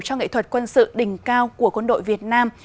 cho nghệ thuật quân sự đỉnh cao của quân đội việt nam